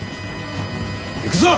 行くぞ！